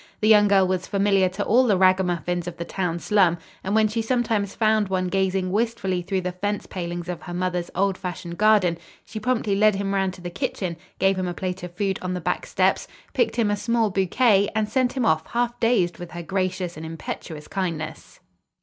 The young girl was familiar to all the ragamuffins of the town slum, and when she sometimes found one gazing wistfully through the fence palings of her mother's old fashioned garden, she promptly led him around to the kitchen, gave him a plate of food on the back steps, picked him a small bouquet and sent him off half dazed with her gracious and impetuous kindness.